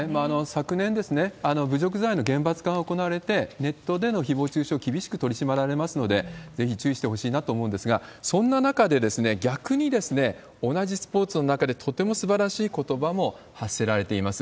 昨年、侮辱罪の厳罰化が行われて、ネットでのひぼう中傷、厳しく取り締まられますので、ぜひ注意してほしいなと思うんですが、そんな中でですね、逆に同じスポーツの中で、とてもすばらしいことばも発せられています。